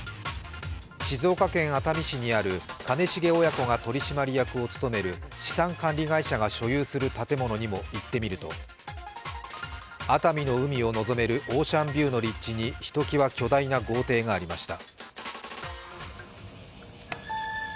静岡県熱海市にある兼重親子が取り締まりを務める資産管理会社が所有する建物にも行ってみると、熱海の海を臨めるオーシャンビューのリッチにひときわ巨大な豪邸がありました。